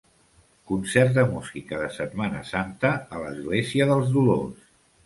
Concert de música de Setmana Santa a l'església dels Dolors.